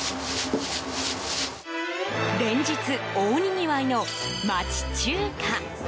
連日、大にぎわいの町中華。